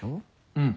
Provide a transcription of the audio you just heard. うん。